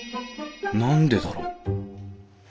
何でだろう？